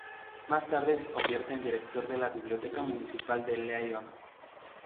Más tarde se convierte en director de la Biblioteca Municipal de Lyon.